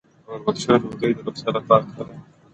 د وربشو ډوډۍ د روغتیا لپاره ښه ده.